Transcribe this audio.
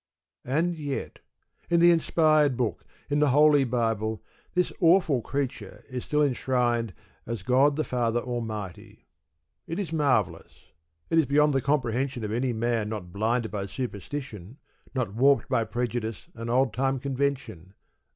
And yet: in the inspired Book, in the Holy Bible, this awful creature is still enshrined as "God the Father Almighty." It is marvellous. It is beyond the comprehension of any man not blinded by superstition, not warped by prejudice and old time convention.